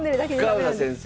深浦先生。